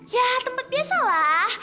ya tempat biasa lah